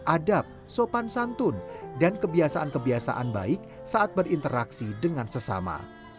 adab sopan santun dan kebiasaan kebiasaan baik saat berinteraksi dengan sesama